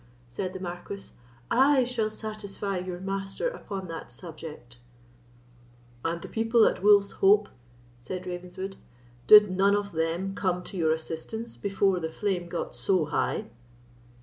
said the Marquis; "I shall satisfy your master upon that subject." "And the people at Wolf's Hope," said Ravenswood, "did none of them come to your assistance before the flame got so high?"